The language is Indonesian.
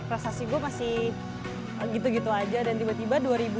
rasasi gue masih gitu gitu aja dan tiba tiba dua ribu tiga belas